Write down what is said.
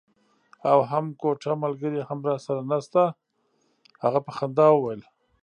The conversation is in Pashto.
او هم کوټه ملګری هم راسره نشته. هغه په خندا وویل.